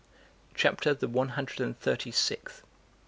CHAPTER THE ONE HUNDRED AND THIRTY SIXTH.